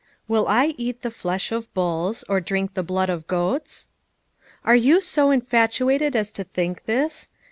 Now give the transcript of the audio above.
"wm I eat theJUA of ftiiiis, or drink the blood of goaUV Are you so infatuated as to think this